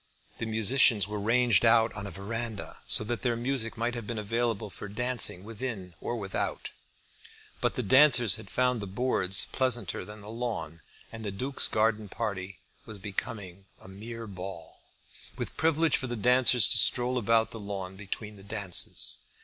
The musicians were ranged out on a verandah, so that their music might have been available for dancing within or without; but the dancers had found the boards pleasanter than the lawn, and the Duke's garden party was becoming a mere ball, with privilege for the dancers to stroll about the lawn between the dances.